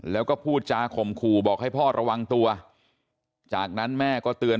แล้วก็พูดจาข่มขู่บอกให้พ่อระวังตัวจากนั้นแม่ก็เตือน